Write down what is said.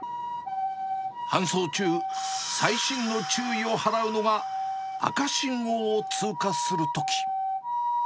搬送中、細心の注意を払うのが赤信号を通過するとき。